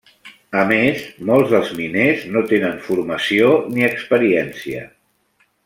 A més, molts dels miners no tenen formació ni experiència.